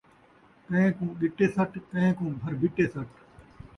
کئیں کوں ڳٹے سٹ ، کئیں کوں بھر بھٹے سٹ